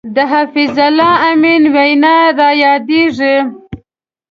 د حفیظ الله امین وینا را یادېږي.